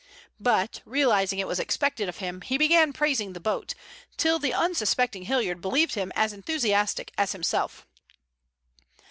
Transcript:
But, realizing it was expected of him, he began praising the boat, until the unsuspecting Hilliard believed him as enthusiastic as himself.